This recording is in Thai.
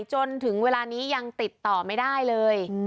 จนถึงเวลานี้ยังติดต่อไม่ได้เลย